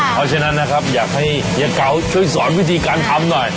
เพราะฉะนั้นนะครับอยากให้เฮียเก๋าช่วยสอนวิธีการทำหน่อย